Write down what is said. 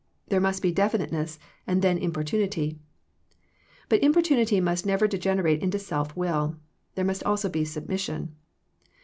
There must be defi niteness, and then importunity. But importunity must never degenerate into self will. There must also be submission.